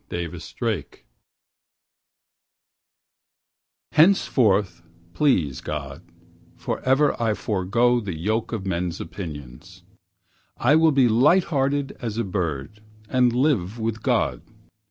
SELF RELIANCE Henceforth, please God, forever I forego The yoke of men's opinions. I will be Light hearted as a bird, and live with God.